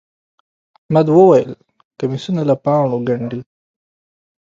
احمد وويل: کمیسونه له پاڼو گنډي.